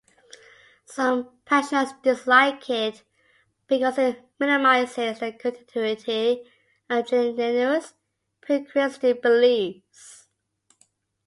Some practitioners dislike it because it minimises the continuity of indigenous pre-Christian beliefs.